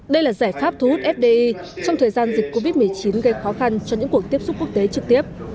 đây là giải pháp thu hút fdi trong thời gian dịch covid một mươi chín gây khó khăn cho những cuộc tiếp xúc quốc tế trực tiếp